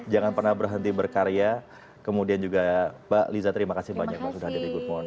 jangan pernah berhenti berkarya kemudian juga pak liza terima kasih banyak sudah jadi good morning